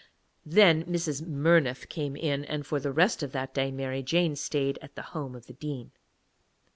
Then Mrs. Murnith came in, and for the rest of that day Mary Jane stayed at the house of the Dean.